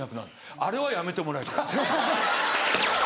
あれはやめてもらいたい。